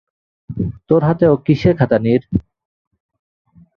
তোর হাতে ও কিসের খাতা নীর?